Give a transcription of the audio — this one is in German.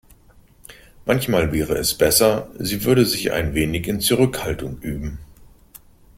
Manchmal wäre es besser, sie würde sich ein wenig in Zurückhaltung üben.